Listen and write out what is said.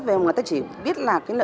và người ta chỉ biết là